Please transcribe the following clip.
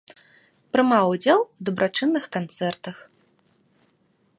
Прымаў удзел у дабрачынных канцэртах.